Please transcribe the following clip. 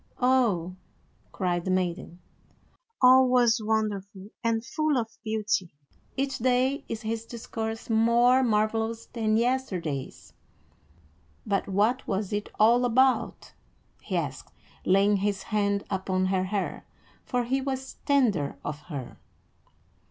"Oh!" cried the maiden, "all was wonderful and full of beauty. Each day is his discourse more marvelous than yesterday's." "But what was it all about?" he asked, laying his hand upon her hair, for he was tender of her.